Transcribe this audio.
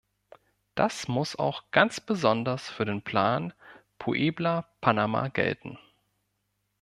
Das muss auch ganz besonders für den Plan Puebla Panama gelten.